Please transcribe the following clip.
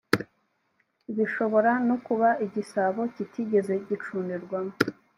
bishobora no kuba igisabo kitigeze gicundirwamo